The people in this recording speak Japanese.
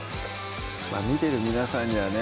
見てる皆さんにはね